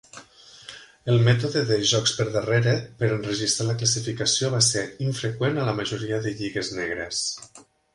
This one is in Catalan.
El mètode de "jocs per darrere" per enregistrar la classificació va ser infreqüent a la majoria de lligues negres.